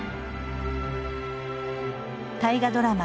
大河ドラマ